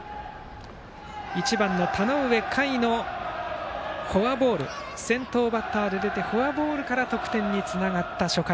１番の田上夏衣が先頭バッターで出てフォアボールから得点につながった初回。